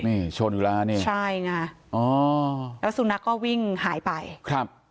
นี่ชนอยู่แล้วนี่ใช่ไงอ๋อแล้วสุนัขก็วิ่งหายไปครับ